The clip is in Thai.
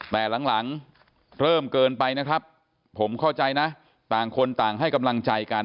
แต่หลังเริ่มเกินไปนะครับผมเข้าใจนะต่างคนต่างให้กำลังใจกัน